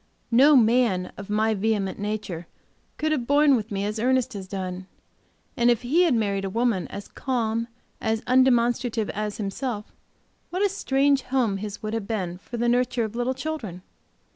No man of my vehement nature could have borne with me as Ernest has done, and if he had married a woman as calm, as undemonstrative as himself what a strange home his would have been for the nurture of little children?